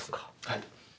はい。